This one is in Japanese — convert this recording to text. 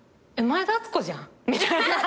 前田敦子じゃんみたいな。